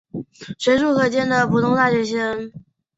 随处可见的普通大学生。